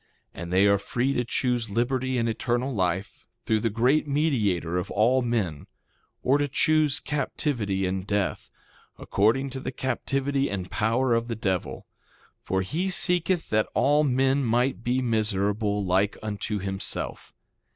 And they are free to choose liberty and eternal life, through the great Mediator of all men, or to choose captivity and death, according to the captivity and power of the devil; for he seeketh that all men might be miserable like unto himself.